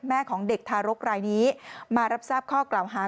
ของเด็กทารกรายนี้มารับทราบข้อกล่าวหา